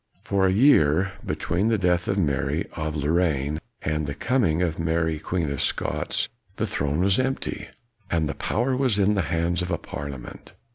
For a year, between the death of Mary of Lorraine and the coming of Mary Queen of Scots, the throne was empty, KNOX 135 and the power was in the hands of a parlia ment.